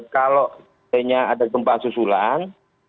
kalau misalnya ada gempa susulan